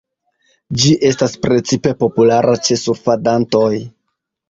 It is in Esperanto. Ĝi estas precipe populara ĉe surfadantoj.